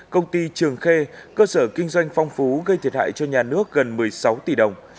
công ty trường khê cơ sở kinh doanh phong phú gây thiệt hại cho nhà nước gần một mươi sáu tỷ đồng